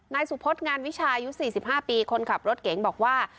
นายสุพธงานวิชายุ๔๕ปีคนขับรถเก๋งบอกว่า